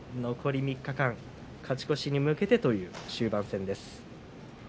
残り３日間勝ち越しに向けてという終盤戦です。